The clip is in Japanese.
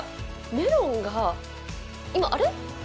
メロンが今、あれ？